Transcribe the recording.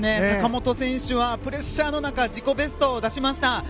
坂本選手はプレッシャーの中自己ベストを出しました。